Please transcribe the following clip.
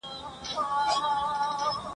د شهید زیارت یې ورک دی پر قاتل جنډۍ ولاړي !.